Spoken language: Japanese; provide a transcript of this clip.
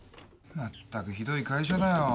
まったくひどい会社だよ。